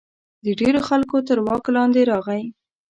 د ډېرو خلکو تر واک لاندې راغی.